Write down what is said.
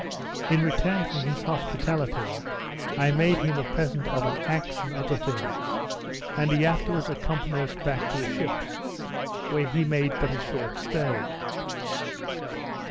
In return for his hospitality, I made him a present of an axe and other things; and he afterwards accompanied us back to the ships, where he made but a short stay.